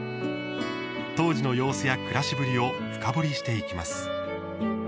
当時の様子や暮らしぶりを深掘りしていきます。